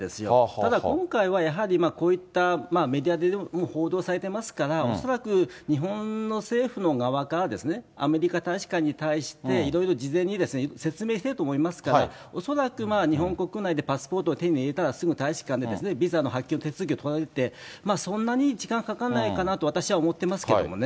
ただ、今回はやはり、こういったメディアでも報道されてますから、恐らく日本の政府の側が、アメリカ大使館に対して、いろいろ事前に説明していると思いますから、恐らく日本国内でパスポートを手に入れたら、すぐ大使館でビザの発給手続きを取られて、そんなに時間かかんないかなと、私は思ってますけどもね。